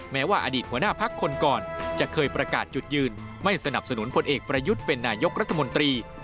แม้ว่าอดีตหัวหน้าพักคนก่อนจะเคยประกาศจุดยืนไม่สนับสนุนพลเอกประยุทธ์เป็นนายกรัฐมนตรี